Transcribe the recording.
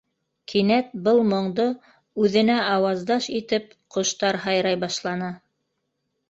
Кинәт был моңдо үҙенә ауаздаш итеп, ҡоштар һайрай башланы.